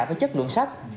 với chất lượng sách